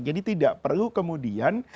jadi tidak perlu kemudian